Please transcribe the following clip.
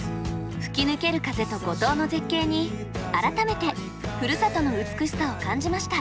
吹き抜ける風と五島の絶景に改めてふるさとの美しさを感じました。